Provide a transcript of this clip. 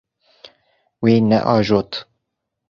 Wî neajot.